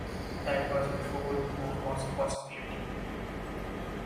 That was before the phone was a possibility.